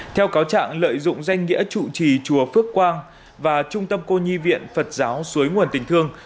theo cáo trạng lợi dụng danh nghĩa trụ trì chùa phước quang và trung tâm cô nhi viện phật giáo suối nguồn tình thương